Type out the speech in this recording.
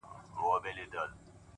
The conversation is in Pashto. سیاه پوسي ده؛ اوښکي نڅېږي؛